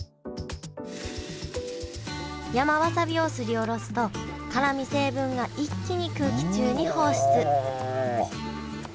山わさびをすりおろすと辛み成分が一気に空気中に放出うわ。